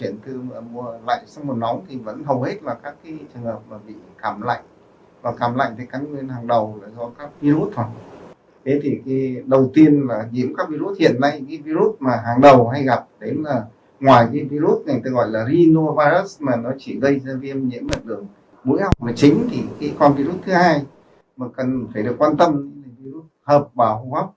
ngoài virus này tên gọi là rhinovirus mà nó chỉ gây ra viêm nhiễm vào đường mũi học mà chính thì con virus thứ hai mà cần phải được quan tâm là virus hợp bảo hô hấp